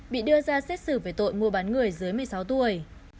bị đưa ra xét xử về tội mua bán người dưới một mươi sáu tuổi